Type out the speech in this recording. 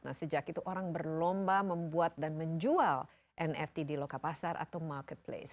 nah sejak itu orang berlomba membuat dan menjual nft di loka pasar atau marketplace